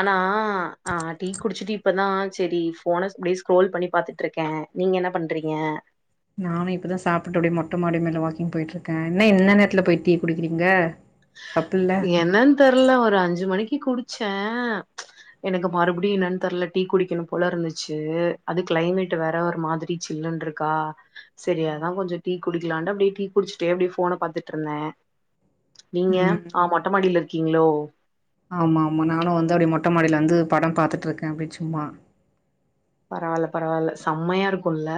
ஆனா ஆ டீ குடிச்சுட்டு இப்பதா செரி ஃபோன இப்டியே ஸ்க்ரோல் பண்ணி பாத்துட்டுருக்கே நீங்க என்ன பண்றீங்க நானு இப்பதா சாப்ட்டு அப்டியே மொட்ட மாடி மேல வாக்கிங் போயிட்டு இருக்கே என்ன இந்த நேரத்துல போய் டீ குடிக்கிறீங்க தப்பில்ல என்னன் தெர்ல ஒரு அஞ்சு மணிக்கி குடிச்சே எனக்கு மறுபடியு என்னன் தெர்ல டீ குடிக்கனும் போல இருந்துச்சு அது கிளைமேட் வேற ஒரு மாதிரி சில்லுன்ருக் க்கா சேரி அதா கொஞ்சோ டீ குடிக்கலான்ட்டு அப்டியே டீ குடிச்சுட்டே அப்டியே ஃபோன பாத்துட்டுருந்தே நீங்க ம் ஆ மொட்டமாடியில இருக்கீங்களோ ஆமா ஆமா நானு வந்து அப்டி மொட்டைமடியில வந்து படோ பாத்துட்டுருக்கே அப்படி சும்மா பரவால்ல பரவால்ல சம்மையாருக்குல்ல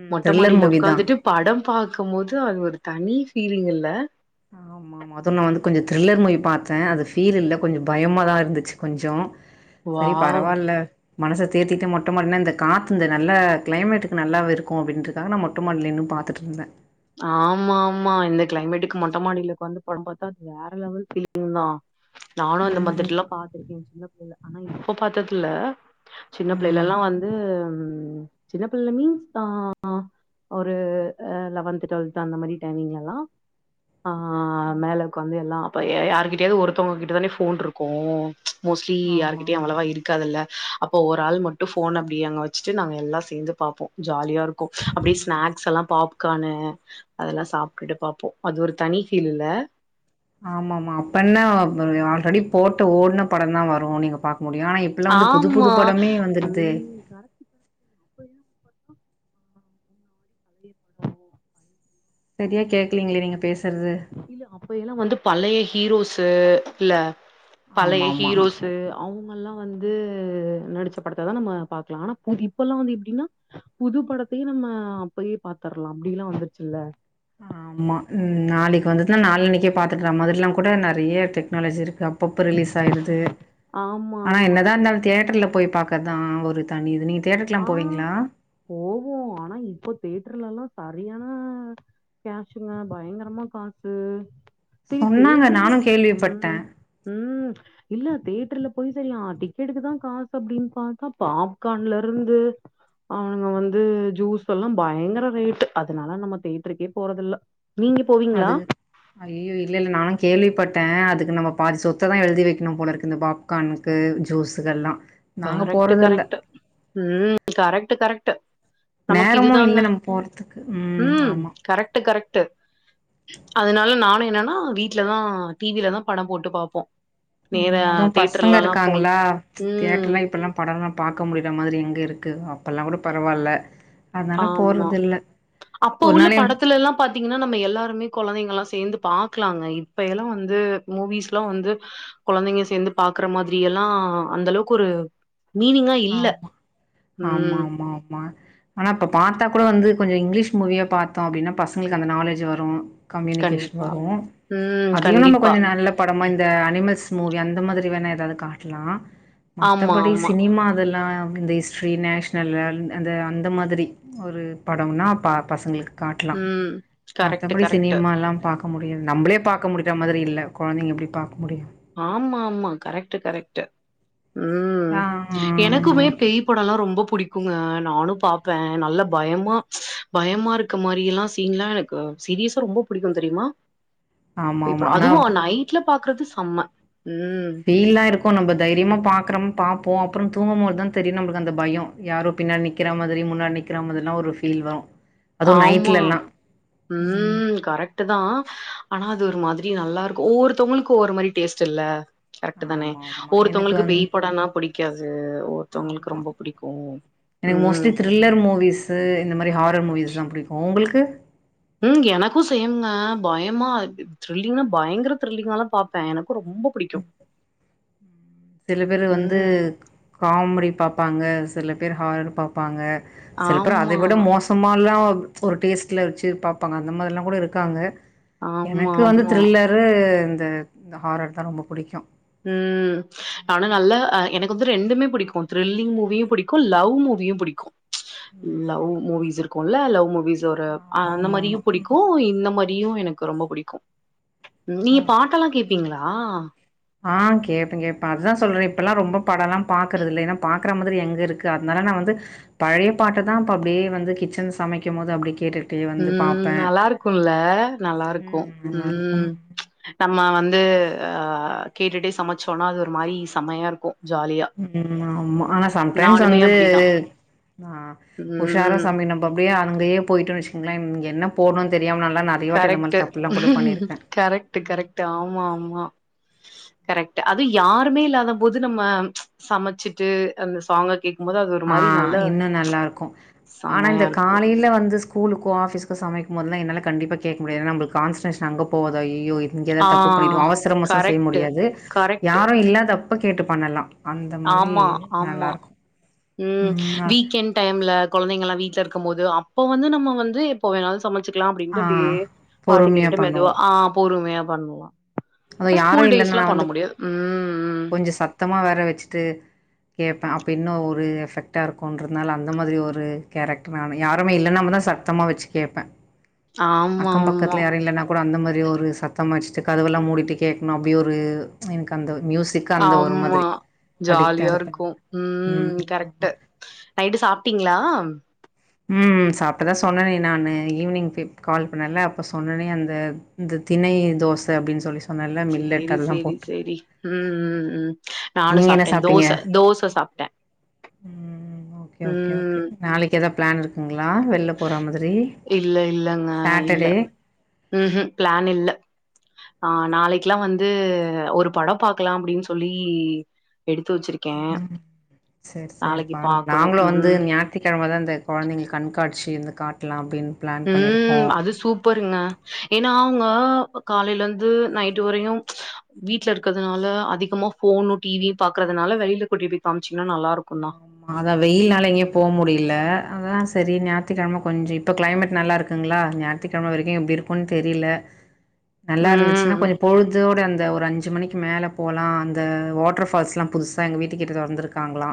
ம் மொட்ட த்ரில்லர் மாடியில மூவி தா உக்காந்துட்டு படோ பாக்கும் போது அது ஒரு தனி ஃபீலிங்கல்ல ஆமா மொதல்ல வந்து கொஞ்சோ த்ரில்லர் மூவி பாத்தே அது ஃபீல் இல்ல கொஞ்சோ பயமாதா இருந்துச்சு கொஞ்சோ சேரி வாவ்! பரவால்ல மனச தேத்திட்டு மொட்ட மாடில இந்த காத்து இந்த நல்லா கிளைமேட்டுக்கு நல்லாவே இருக்கு அப்டின்ட்டு நானு மொட்ட மாடில நின்னு பாத்துட்டுருந்த ஆமாமா இந்த கிளைமேட்டுக்கு மொட்ட மாடியில உக்காந்து படம் பாத்தா அது வேற லெவல் ஃபீலிங் தா நானு அந்த ம் மாதிரியெல்லா பாத்துருக்கே சின்ன புள்ளையில ஆனா இப்ப பாத்ததில்ல சின்ன ம் பிள்ளைலல்லா வந்து ம் சின்ன பிள்ளை மீன்ஸ் ஆ அ ஒரு அ லெவன்த்து டொல்த்து அந்த மாரி டைமிங்லல்லா அ மேல உக்காந்து எல்லா அப்ப ய யாருகிட்டயாவ்து ஒருத்தவ்ங்ககிட்டதானே ஃபோன்ருக்கு மோஸ்ட்லி ஆமா யாருகிட்டயு அவ்வளவா இருக் காதுல்ல அப்போ ஒரு ஆள் மட்டு ஃபோன் அப்டியே அங்க வச்சுட்டு நாங்க எல்லா சேந்து பாப்போ ஜாலியா இருக்கு அப்டியே ஸ்நாக்ஸ் எல்லா பாப்கானு அதெல்லா சாப்ட்டுட்டு பாப்போ அது ஒரு தனி ஃபீல் இல்ல ஆமா ஆமா அப்பென்ன [unintelligible] ஆல்ரெடி போட்டு ஓட்ன படந்தா வரு நீங்க பாக்க முடியு ஆனா இப்ப இப்பல்லா வந்து புது புது ஆமா படமே வந்துர்தே [inaudible] அப்பயெல்லா வந்து பாத்தா ஆ முன்னாடி பழைய படோ பழை சரியா கேக்கலீங்களே நீங்க பேசற்து இல்ல அப்பயெல்லா வந்து பழைய ஹீரோஸு இல்ல பழைய ஆமாமா. ஹீரோஸு அவுங்கல்லா வந்து நடிச்ச படத்த தா நம்ம பாக்கலா ஆனா உனக் இப்பல்லா வந்து எப்டின்னா புது படத்தயு நம்ம அப்பயே பாத்தர்லா அப்டில்லா வந்துருச்சுல்ல ஆமா நாளைக்கு வந்துத்னா நாளானைக்கே பாத்தட்ற மாதிரில்லாங்கூட நெறைய டெக்னாலஜி இருக்கு அப் பப்ப ரிலீஸ் ஆயிருது ஆமா ஆனா ஆமா என்னதா இர்ந்தாலு கரெக்ட் தேட்டர்ல போய் பாக் க தா ஒரு தனி இது நீங்க தேட்டர்க்ல்லா ஆ போவீங்ளா போவோ ஆனா இப்ப தேட்ருலல்லா சரியான கேஷுங்க பயங்கரமா காசு திரி சொன்னாங்க தேட்டர்ல நானு கேள்விப்பட்டே ம் ம் இல்ல தேட்ருல போய் செரியா டிக்கெட்டுக்கு தா காசு அப்டின் பாத்தா பாப்கான்ல ருந்து அவனுங்க வந்து ஜூஸ்ஸல்லா பயங்கர ரேட்டு் அதுனால நம்ம தேட்ருக்கே போறதில்ல நீங்க போவீங்களா அதுக அய்யையோ இல்ல இல்ல நா கேள்விப்பட்டே அதுக்கு நம்ம பாதி சொத்த தா எழுதி வெக்கணு போலருக்கு இந்த பாப் கான்க்கு ஜூஸுக்கெல்லா நாங்க கரெக்ட் போறதில்ல கரெக்ட் ம் கரக்ட்டு கரக்ட்டு நேரமு இல்ல நம்ம போறத்துக்கு ம் ஆமா கரக்ட்டு கரக்ட்டு அதுனால நானு என்னன்னா வீட்லதா டி வி லதா படம் போட்டு பாப்போ நேர ம் அதுவு பசங்க தேட்டர்லல்லா போய் இருக்காங்களா தேட்ருல் ம் லா இப்பல்லா படோல்லா பாக்க முடியற மாதிரி எங்க இருக்கு அப்பல்லாங்கூட பரவால்ல அதனால ஆமா போறதில்ல அப்ப ஒரு உள்ள நாள் எ படத்துலெல்லா பாத்தீங்கன்னா நம்ம எல்லாருமே கொழந்தைங்கல்லா சேந்து பாக்கலாங்க இப்ப எல்லா வந்து மூவிஸ்ல்லா வந்து கொழந்தைங்க சேந்து பாக்கற மாதிரி எல்லா அந்தளவுக் ஒரு மீனிங்கா இல்ல ஆமா ஆமா ம் ஆமா ஆமா ஆனா இப்ப பாத்தா கூட வந்து கொஞ்ச இங்கிலீஷ் மூவியா பாத்தோ அப்டினா பசங்களுக்கு அந்த நாலேஜு வரு கம்யூனிகேஷன் கண்டிப்பா வரு ம் அதையு நம்ம கண்டிப்பா கொஞ்ச நல்ல படமா இந்த அனிமல்ஸ் மூவி அந்த மாதிரி வேணா எதாவ்து காட்லா ஆமா மத்தபடி ஆமா சினிமா அதெல்லா இந்த ஹிஸ்ட்ரி, நேஷ்னல்ல அல் அந்த அந்த மாதிரி ஒரு படம்னா அப்ப பசங்களுக்கு காட்லா ம் கரெக்ட் மத்தபடி கரெக்ட் சினிமா எல்லா பாக் முடியு நம்பலே பாக்க முடிஞ்ச மாதிரி இல்ல கொழந்திங் எப்டி பாக்க முடியு ஆமா ஆமா கரெக்ட்டு கரெக்ட்டு ம் ஆ எனக்குமே ஓகே பேய் படல்லா ரொம்போ புடிக்குங்க நானு பாப்பே நல்ல பயமா பயமா இருக்க மாரி எல்லா சீன்லா என க்கு சீரியஸா ரொம்போ பிடிக்கு தெரியுமா ஆமா இப்ப ஆமா அதுவு ஆனா நைட்ல பாக்குறது சம்ம ம் ல்லா இருக்கு நம்ப தைரியமா பாக்குறம் பாப்போ அப்புறந் தூங்கும்மோத்தா தெரியு நம்ப்ளுக் அந்த பயோ யாரோ பின்னாட் நிக்கிற மாதிரியும் முன்னாட் நிக்கிற மாதிரிலா ஒரு ஃபீல் வரு ஆமா ம் கரெக் ட்டுதா ஆனா அது ஒரு மாதிரி நல்லா இருக்கு ஒவ்வொருத்தவ்ங்களுக்கு ஒவ்வொரு மாரி டேஸ்டில்ல கரெக்ட்டு தானே ஆமா ஆமா எனக்கு ஒருத்தவங்களுக்கு வந் பேய் படன்னா பிடிக்காது ஒருத்தவங்களுக்கு ஆமா ரொம்போ பிடிக்கு எனக்கு மோஸ்ட்லி த்ரில்லர் மூவிஸு இந்த மாரி ஹாரர் மூவிஸ் தா புடிக்கு உங்களுக்கு ம் எனக்கு சேம்ங்க பயமா இத் த்ரில்லிங்கா பயங்கர த்ரில்லிங்காலா பாப்பே எனக்கு ரொம்போ புடிக்கு சில பேரு வந்து ம். காமெடி பாப்பாங்க சில பேரு ஹாரரு பாப்பாங்க சில பேரு அதை ஆமா. விட மோசமால்லா ஒரு டேஸ்ட்ல வெச்சு பாப்பாங்க அந்த மாரில்லா கூட இருக்காங்க ஆமா, எனக்கு வந்து ஆமா. த்ரில்லரு இந்த இந்த ஹாரர்தா ரொம்ப புடிக்கு ம் ஆனா நல்லா அ என க்கு வந்து ரெண்டுமே பிடிக்கு த்ரில்லிங் மூவியு பிடிக்கு லவ் மூவியு பிடிக்கு லவ் ம் மூவிஸ் இருக்குல லவ் மூவிஸ் ஒரு ஆமா அந்த ஆமா மாரியு ஆமா ம் பிடிக்கு இந்த மா ரியு எனக்கு ரொம்ப பிடிக்கு நீங்க ஓகே பாட்டெல்லா கேப்பீங்களா ஆ கேப்பேங் கேப்பே அதுதா சொல்றே இப்பெல்லா ரொம்போ படல்லா பாக்குறது இல்ல ஏன்னா பாக்குற மாதிரி எங்க இருக்கு அத்னால நா வந்து பழைய பாட்ட தா இப்ப அப்படியே வந்து கிச்சன் சமைக்கும் போது அப்டே கேட்டுட் ம் நல்லாருக்குல்ல நல்லாருக்கு ம் நல்லாருக்கு ம் நம்ம வந்து ஆ கேட்டுட்டே சமச்சோனா அது ஒரு மாரி சம்மயா இருக்கு ஜாலியா ம் ஆமா ஆனா சம்டைம்ஸ் நானுமே வந்து அப்டிதா ஆ உஷாரா ம் சமைக் நம் ம் அப்டியே அங்கேயே போயிட்டு வெச்சுங்களே இ என்ன போட்ணன் தெரியாம நல்லா நா கரெக்ட்டு கரெக்ட்டு கரெக்ட்டு ஆமா ஆமா கரெக்ட்டு அது யாருமே இல்லாத போது நம்ம சமச்சிட்டு அந்த சாங்க கே ஆ இன்னு நல்லா இருக்கு ஆனா செம்மையா இந்த இருக்கும். காலையில வந்து ஸ் கூலுக்கு ஆபிஸ்கு சமைக்கும் போதுலா என்னால கண்டிப்பா கேக்க முடியாது ஏனா நம்ப்ளுக் கான்சன்ட்ரேஷன் அங்க போகாது அய்யோ இங்க ஆ எதாத் தப்பு பண்ணிட்டோ அவசரம் அவசர செய்ய கரெக்ட், முடியாது கரெக்ட். யாரு இல்லாதப்ப கேட்டு பண்ணலா அந்த மாதிரி ஆமா, ஆமா. நல்லாருக்கு ம் வீக்கெண் டைம்ல கொழந்தைங்கெல்லா வீட்ல இருக்கும்போது அப்போ வந்து நம்ம வந்து எப்ப வேணுனாலு சமை ச்சுக்கலா அப்டின்ட்டு ஆ அப்டியே பாட்டு பொறுமையா கேட்டுட்டு மெதுவா பண்ணுவோம். ஆ பொறுமையா பண்ணலா னா அதுவும் யாரும் ஸ்கூல் டேஸல்லா பண்ண முடியாது ம் ம் ஞ்ச சத்தமா வேற வெச்சுட்டு கேடப்பே அப்ப இன்னு ஒரு எஃபெக்டா இருக்குன்றத்னால அந்த மாதிரி ஒரு கேரக்ட்ரு நானு யாருமே இல்ல நம்ம தா ச த்தமா வெச்சு கேப்பே அக்கம் ஆமாமா. ஆமா. பக்கத்துல யாரு இல்லன்னா கூட அந்த மாரி ஒரு சத்தமா வெச்சுட்டு கதவெல்லா மூடிட்டு கேக்ணு அப்டி ஒரு எனக்கு அந்த மியூசி ஆமா ஜாலியா இருப்பே இருக்கு ம் கரெக்ட்டு நைட்டு சாப்பிட்டீங்ளா ம் சாப்டுதா சொன்னேனே நானு ஈவினிங் ஃப் கால் பண்ணல அப்ப சொன்னனே அந்த இந்த திணை தோச அப்பின் சொல்லி சொ சேரி சேரி சேரி ம் ம் ம் நானூ நீங்க என்ன சாப்ட்டேன் சாப்ட்டீங்க தோச தோச சாப்ட்ட ம் ஓகே ஓகே ஓகே ம் நாளைக்கி எதா பிளான் இருக் குங்ளா வெள்ல போற மாதிரி இல்ல சாட்டர்டே ம் ஹும் ப்ளான் இல்ல ஆ நாளைக்லா வந்து ஒரு படம் பாக்லா அப்டின் சொல்லி எடுத்து வச்சிருக் ம் செரி செரி பாருங்க பாக்கணு நாங்ளு வந்து ம் ஞா த்திக்கிழம தா இந்த கொழந்தைங்க கண்காட்சி இது காட்லாம் அப்டின் ம் அது சூப் பருங்க ஏன்னா அவுங்க காலையிலந்து நைட்டு வரையு வீட்ல இருக்கிறதுனால அதிகமா ஃபோனு டிவியு பாக்குறதுனால வெளில கூட்டி போய் காம்ச்சீங்ன்னா நல்லா இருக்கூ தா ஆதா வெயில்னால எங்யு போ முடில அதா சரிஞாத்துக்கிழம கொஞ்ச இப்ப க்ளைமேட் நல்லா இருக்குங்ளா ஞான் த்துகிழம வரைக்கு எப்டி இருக்குன் தெரில நல்லா இருந்துச்சுன்னா ம் கொஞ்ச பொழுதோட அந்த ஒரு அஞ்சு மணிக்கு மேல போலா அந்த வாட்டர் ஃபால்ஸ்லா புதுசா எங்க வீட்டுக்கிட்ட தொறந்துருக்காங்ளா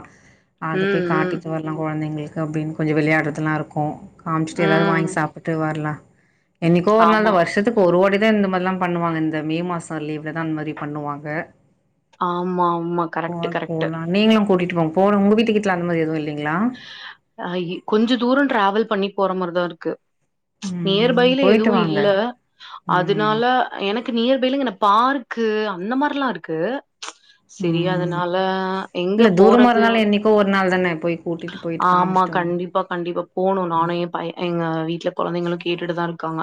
அது போய் ம் ம் காட்டிட்டு வர்லா கொழந்தைங்கள்க்கு அப்டின்னு கொஞ்ச வெளையாட்றது எல்லா இருக்கூ காம்ச்சிட்டு எதாவ்து ம் வாங்கி சாப் புட்டு வர்லா என்னைக்கோ ஒரு நாள் தா ஆமா வருஷத்துக்கு ப்ப ஒரு வாட்டி தா இந்த மாரில்லா பண்ணுவாங்க இந்த மே மாச லீவுல தா அந்த மாரி பண்ணுவாங்க ஆமா ஆமா போ கரெக்ட்டு கரெக்ட்டு போலா நீங்களு கூட்டிட்டு போன் போணு உங்க வீட்டு கிட்லா அந்தமாரி எதுவு இல்லிங்ளா ஹா இ கொஞ்ச தூரொ ட்ராவல் பண்ணி போற மார்தா இருக்கு நியர் ம் பைல போயிட்டு எதுவு வாங்க இல்ல ம் அதுனால எனக்கு நியர்பைலங்க என பார்க்கு அந்த மார்லா இருக்கு செரி ம் அதனால எங்க போறதுவ் ப்போ ஒரு நாள் தான போய் கூட்டிட்டு போயிட்டு ஆமா காமிச்சுட்டு வாங்க கண்டிப்பா கண்டிப்பா இப்ப போணு நானு ஏ பை எங்க வீட்ல கொழந்தைங்களு கேட்டுட்டுதா இருக்காங்க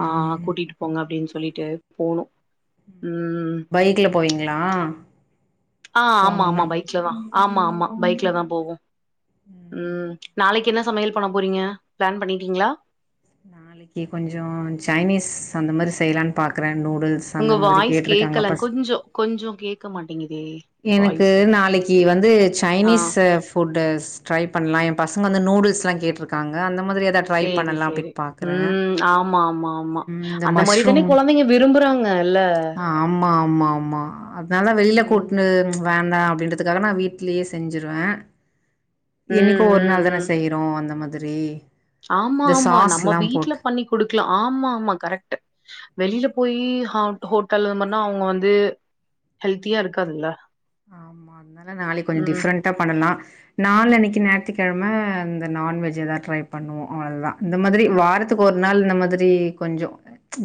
ஆ ம் கூட்டிட்டு போங்க அப்டின் சொல்லிட்டு போனு ம் பைக்ல போவீங்ளா ஆ ஆமா ஆமா பைக்ல தா ஆமா ஆமா பைக்ல தா போவோ ம் நாளைக்கி என்ன சமையல் பண்ண போறீங்க ப்ளான் பண்ணிட்டீங்ளா ளக்கி கொஞ்சோ சைனீஸ் அந்த மாரி செய்லான் பாக்குறே நூடுல்ஸ் அந்த உங்க மாதிரி வாய்ஸ் கேட்டிருக்காங்க கேக்கல பஸ் கொஞ்சோ கொஞ்சு கேக்க மாட்டேங்கிதே எனக்கு நாளைக்கி வந்து ஆ சைனீஸு ஃபு ஃபுட்டுஸ் ட்ரை பண்லா என் பசங்க வந்து நூடுல்ஸ்ல்லா கேட்ருக்காங்க அந்த மாதிரி அர் சேரி சேரி ம் ஆமா ஆமா ஆமா ம் இந்த அந்த மாரி தானே மஷ்ரூம் கொழந்தைங்க விரும்புறாங்க இல்ல ஆமா ஆமா ஆமா அத்னால வெளில ம் கூட்னு உ வேண்டா அப்டின்றதுக்காக நா வீட்லேயே செஞ்சிருவே ம் என்னிக்கோ ஒரு நாள் ம் ம் தானஸ் செய்றோ அந்த மாதிரி ஆமா இந்த ஆமா நம்ம சாஸ்லாம் வீட்ல போட்டு பண்ணி குடுக்லா ஆமா ஆமா கரெக்ட்டு வெளில போயி ஹாவ்ட் ஹோட்டல் அந் மாரினா அவுங்க வந்து ஹெல்த்தியா இருக்காதுல்ல ஆமா அதனால நாளைக் கொஞ்சோ ம் டிஃப்ரெண்டா பண்ணலா நாலனைக்கி ஞாயித்துக்கெழம இந்த நான்வெஜ்ஜ எதா ட்ரை பண்ணுவோ அவ்ளதா இந்த மாதிரி வாரத்துக்கு ஒரு நாள் இந்த மாதிரி கொஞ்சோ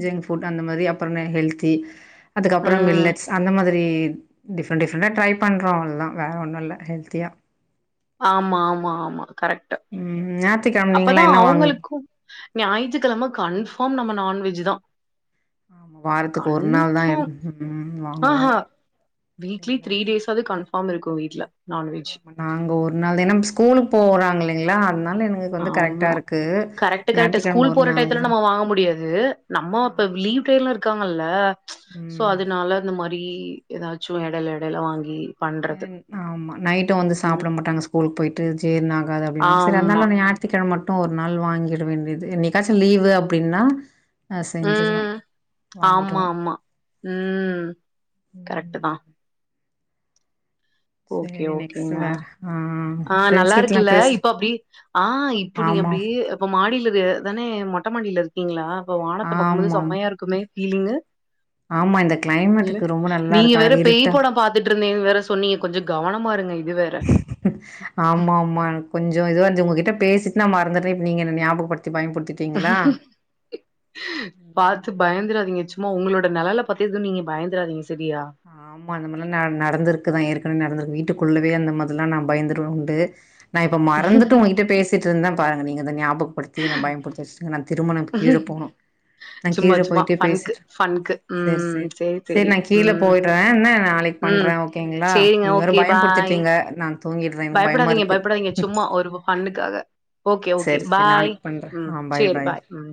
ஜங்க் ஃபுட் அந்த மாதிரி அப்பறனா ஹெல்தி அதுக்கப்பறம் ம் மில்லடஸ் அந்த மாதிரி டிஃரண்ட் டிஃப் அதா ட்ரை பண்றோ அவள்தா வேற ஒன்னுல்ல ஹெல்த்தியா ஆமா ஆமா ஆமா கரெக்ட்டு ம் ஞாயித்துக்கிழம அப்பதா நீங்கலாம் என்ன வாங்குவீங்க? அவுங்களுக்கு ஞாயித்துக்கிழம கன்ஃபார்ம் நம்ம நான்வெஜ் தா வாரத்துக்கு ஒரு நாள் தா கன்ஃபார்ம் ம் ம் வாங்குவோ ஆஹா வீக்லி இல்லைங்களா த்ரீ டேஸ்ஸாவது கன்ஃபார்ம் இருக்கு வீட்ல நான்வெஜ் நாங்க ஒரு நாள் தினம் ஸ்கூலுக்கு போறாங்க இல்லைங்ளா அதனால எனக் ஆமா கரெக்ட்டு கரெக்ட்டு ஞாயித்துக்கிழம ஸ்கூல் ஒரு போற நாள் டையத்துல தா நம்ம வாங்க முடியா து நம்ம இப்ப லீவ் டைல இருக்காங்கல்ல சோ ம் அதனால அந்த மாரி ஏதாச்சு எடல எடல வாங்கி பண்றது. ஏன் ஆமா நைட்டு வந்து ம். சாப்பட மாட்டாங்க ஸ்கூல் போயிட்டு ஜீர்ண ஆகாது அப்டினு செரி ஆமா. அதனால நீ ஞா த்திக்கிழ மட்டு ஒரு நாள் வாங்கிட வேண்டியது என்னைக்காச்சு லீவு அப்டின்னா நா செஞ்சிருவ ம். வாங்கிடுவோ ஆமா, ஆமா. ம் ம் கரெக்ட்டு தா ஓகே, செரி நெக்ஸ் ஓகேங்க. வேற ஆ ஆ நல்லா ஃப்ரெண்ட்ஸ் கிட்டலா இருக்குல்ல பேசு இப்ப அப்டி ஆ இப்ப நீ ஆமா அப்டி அப்ப மாடியில இரு தான மொட்ட மாடியில இருக்கீங்ளா அப்ப வானத்த பாக்கும்போது ஆமா ஆமா செம்மையா இருக்குமே ஃபீலிங்கு ஆமா. இந்த கிளைமேட்டுக்கு ரொம்ப நல்லா நீங்க இருக்கு. வேற அழகா பேய் இருட்டா. படம் பாத்துட்டு இருந்தீன் வேற சொன்னீங்க கொஞ்ச கவனமா இருங்க இது வேற ஆமா ஆமா கொஞ்சோ இதுவான்சு உங்ககிட்ட பேசிட்டு நா மறந்துறே இப்ப நீங்க ஞாபகப்படுத்தி பயம்புடுத்திட் பாத்து ம். பயந்துறாதீங்க சும்மா உங்களோட நெழல பத்து எதுவு நீங்க பயந்துறாதீங்க சரியா ஆமா அந்த மாரிலா நடந் நடந்திருக்குதா ஏற்கனவே நடந்தருக்கு வீட்டுக்குள்ளவே அந்த மாதிரிலா நா பயந்தது உண்டு நா இப்போ மறந்துட்டு உங்கிட்ட பேசிட்டு இருந்த பாருங்க நீங்க அத ஞாபக படுத்தி என்ன பயம்புடுத்தி வெச்சுட்டிங்க திரும்ப நா இப்ப கீழ போனு நா சும்மா கீழ சும்மா போயிட்டு ஃபன்க்கு பேசிட்டு இருக்க ஃபன்க்கு சேர் ம் சேர் சேரி நா கீழ ம் போய்டுற என்ன நாளைக் பண்ற ம் ஓகேங்ளா சேரிங்க நீங்க வேற ஓகே பயம் பாய் புடுத்துட்டீங்க நா தூங்கிர்ற எனக் பயமா பயப்படாதீங்க இருக்கு பயப்படாதீங்க சும்மா ஒரு ஃபன்னுக்காக ஓகே ஓகே சேரி சேரி பாய் நாளைக் பண்ற ம் ஆ பாய் சேரி பாய் ம்